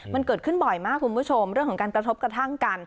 มันเกิดขึ้นบ่อยมากคุณผู้ชมเรื่องของการกระทบกระทั่งกัน